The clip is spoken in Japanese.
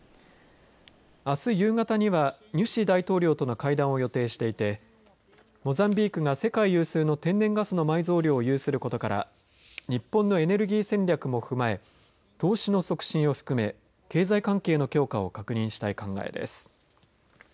あす夕方には、ニュシ大統領との会談を予定していてモザンビークが世界有数の天然ガスの埋蔵量を有することから日本のエネルギー戦略も踏まえ投資の促進を含め経済関係の強化を確認したい考えです。